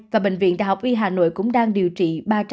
và bệnh viện đh y hà nội cũng đang điều trị